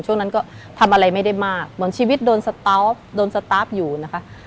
ช่วงนั้นก็ทำอะไรไม่ได้มากเหมือนชีวิตโดนสตาร์ฟโดนสตาร์ฟอยู่นะคะ